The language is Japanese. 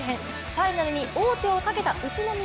ファイナルに王手をかけた宇都宮。